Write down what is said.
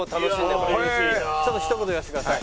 ちょっと一言言わせてください。